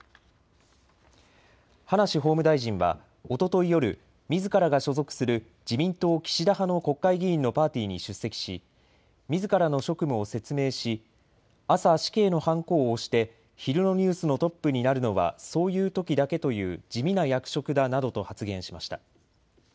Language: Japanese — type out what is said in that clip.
葉梨法務大臣はおととい夜、みずからが所属する自民党岸田派の国会議員のパーティーに出席しみずからの職務を説明し朝、死刑のはんこを押して昼のニュースのトップになるのはそういうときだけという地味な役職だなどと発言しました。